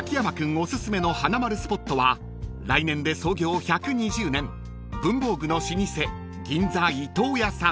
おすすめのはなまるスポットは来年で創業１２０年文房具の老舗銀座伊東屋さん］